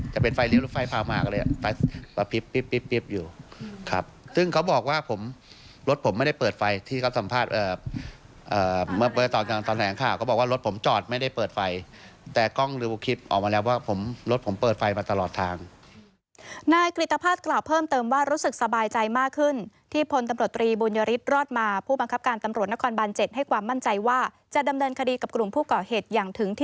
จะเป็นไฟเลี้ยวรู้ไฟพามากเลย